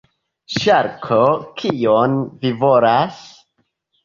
Ŝarko: "Kion vi volas?"